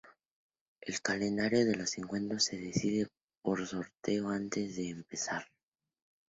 El calendario de los encuentros se decide por sorteo antes de empezar.